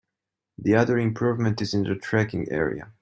The other improvement is in the tracking area.